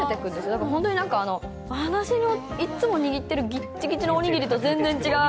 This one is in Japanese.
だから本当になんか、私のいつも握ってるぎっちぎちのおにぎりと全然違う。